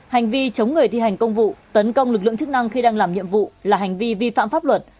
hành vi chống người thi hành công vụ tấn công lực lượng chức năng khi đang làm nhiệm vụ là hành vi vi phạm pháp luật